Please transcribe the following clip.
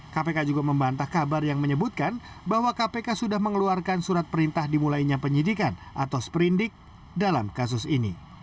kpk juga membantah kabar yang menyebutkan bahwa kpk sudah mengeluarkan surat perintah dimulainya penyidikan atau sprindik dalam kasus ini